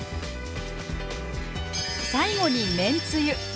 最後にめんつゆ。